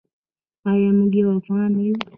آیا موږ یو افغان نه یو؟